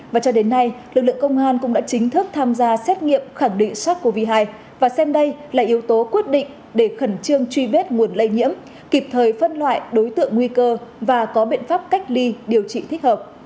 và cho đến nay lực lượng công an cũng đã chính thức tham gia xét nghiệm khẳng định sars cov hai và xem đây là yếu tố quyết định để khẩn trương truy vết nguồn lây nhiễm kịp thời phân loại đối tượng nguy cơ và có biện pháp cách ly điều trị thích hợp